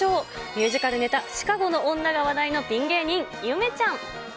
ミュージカルネタ、シカゴが人気のピン芸人、ゆめちゃん。